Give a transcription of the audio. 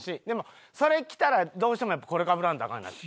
でもそれ着たらどうしてもやっぱこれかぶらんとアカン。